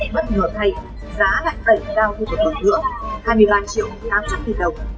bất ngờ thay giá lại đẩy cao thêm một bổng thượng hai mươi ba triệu tám mươi nghìn đồng